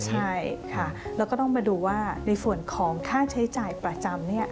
ใช่ค่ะแล้วก็ต้องมาดูว่าในส่วนของค่าใช้จ่ายประจำ